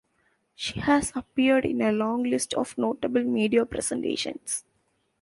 She has appeared in a long list of notable media presentations.